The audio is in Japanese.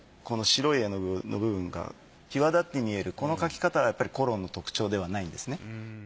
この白い絵の具の部分が際立って見えるこの描き方はやっぱりコローの特徴ではないんですね。